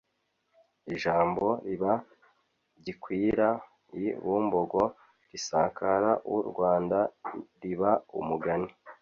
ijambo riba gikwira i bumbogo risakara u rwanda riba umugani.